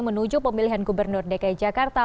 menuju pemilihan gubernur dki jakarta